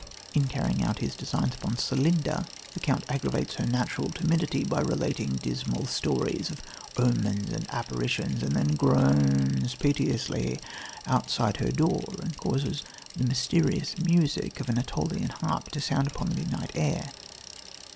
In carrying out his designs upon Celinda, the count aggravates her natural timidity by relating dismal stories of omens and apparitions, and then groans piteously outside her door and causes the mysterious music of an Æolian harp to sound upon the midnight air.